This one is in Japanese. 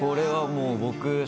もう僕の。